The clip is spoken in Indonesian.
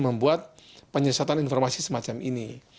membuat penyesatan informasi semacam ini